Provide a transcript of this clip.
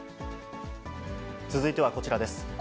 続いてはこちらです。